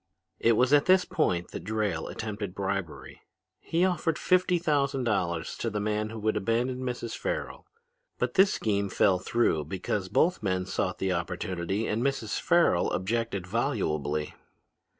"It was at this point that Drayle attempted bribery. He offered fifty thousand dollars to the man who would abandon Mrs. Farrel. But this scheme fell through because both men sought the opportunity and Mrs. Farrel objected volubly.